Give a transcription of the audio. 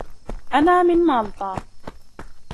أنا من مالطا.